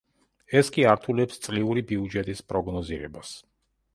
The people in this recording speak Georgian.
ეს კი ართულებს წლიური ბიუჯეტის პროგნოზირებას.